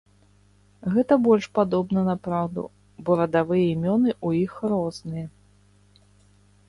Гэта больш падобна на праўду, бо радавыя імёны ў іх розныя.